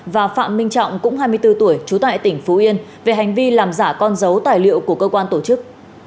và phạm minh trọng cũng hai mươi bốn tuổi trú tại tỉnh phú yên về hành vi làm giả con dấu tài liệu của cơ quan tổ chức